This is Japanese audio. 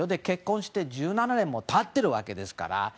結婚して１７年も経っているわけですから。